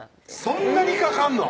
そんなにかかんの？